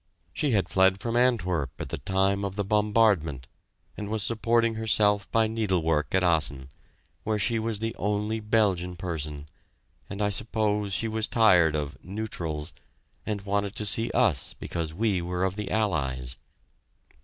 She had fled from Antwerp at the time of the bombardment, and was supporting herself by needlework at Assen, where she was the only Belgian person, and I suppose she was tired of "neutrals" and wanted to see us because we were of the Allies.